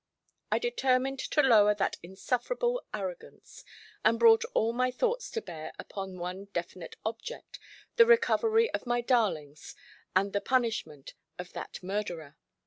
I determined to lower that insufferable arrogance; and brought all my thoughts to bear upon one definite object, the recovery of my darlings and the punishment of that murderer.